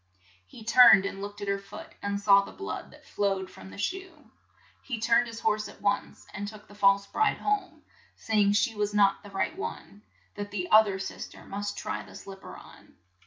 He turned and looked at her foot, and saw the blood that flowed from the shoe. He turned his horse at once, and took the false bride home, say ing she was not the right one, that the oth er sis ter must try the slip per on.